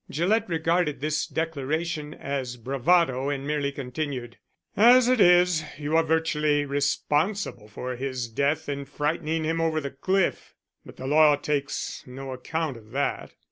Gillett regarded this declaration as bravado, and merely continued: "As it is, you are virtually responsible for his death in frightening him over the cliff, but the law takes no account of that."